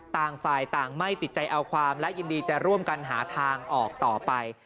ต่างฝ่ายต่างไม่ติดใจเอาความและยินดีจะร่วมกันหาทางออกต่อไป